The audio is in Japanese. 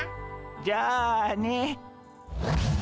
じゃあね。